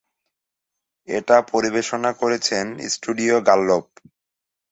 এটা পরিবেশনা করেছেন স্টুডিও গাল্লোপ।